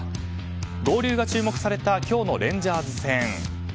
合流が注目された今日のレンジャーズ戦。